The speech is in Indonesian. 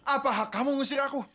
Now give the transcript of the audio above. apa kamu ngusir aku